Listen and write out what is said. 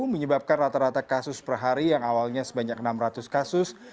menyebabkan rata rata kasus per hari yang awalnya sebanyak enam ratus kasus